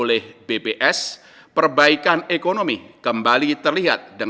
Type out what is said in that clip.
sebelum anda saya ucapkan pemerintahan hocheng